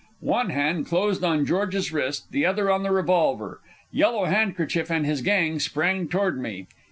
One hand closed on George's wrist, the other on the revolver. Yellow Handkerchief and his gang sprang toward me.